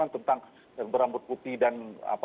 tentang berambut putih dan